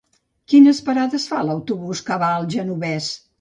Quines parades fa l'autobús que va al Genovés?